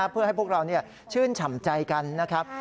เพื่อให้พวกเราชื่นฉ่ำใจกันนะครับ